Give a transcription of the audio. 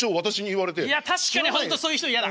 いや確かに本当そういう人嫌だ！